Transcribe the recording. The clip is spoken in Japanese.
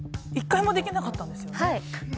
１回もできなかったんですよね？